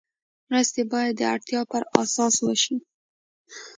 مرستې باید د اړتیا پر اساس وشي.